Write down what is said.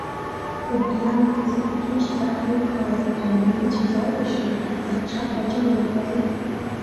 Убри аамҭазы, иҭынчӡа аиҩхаа иҭаианы ицәаз арҩашгьы аҽҽаҳәа аҿынанахазар.